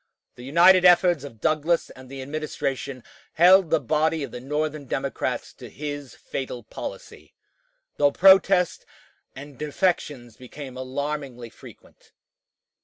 The united efforts of Douglas and the Administration held the body of the Northern Democrats to his fatal policy, though protests and defections became alarmingly frequent.